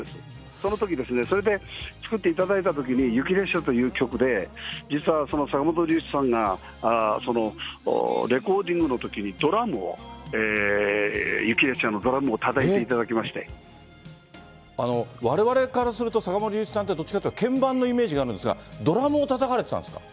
そのときですね、それで、作っていただいたときに、雪列車という曲で、実は坂本龍一さんが、そのレコーディングのときにドラムを、雪列車のドラムをたたいてわれわれからすると、坂本龍一さんって、どっちかっていったら、鍵盤のイメージがあるんですが、ドラムをたたかれてたんですか？